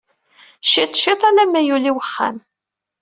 Ciṭ ciṭ alamma yuli wexxam.